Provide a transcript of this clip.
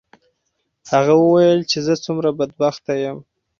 هغه وویل چې زه څومره بدبخته یم.